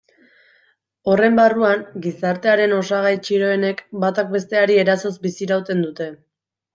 Horren barruan, gizartearen osagai txiroenek batak besteari erasoz bizirauten dute.